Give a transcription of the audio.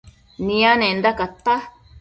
nianenda cainta